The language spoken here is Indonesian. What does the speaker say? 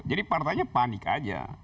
jadi partainya panik aja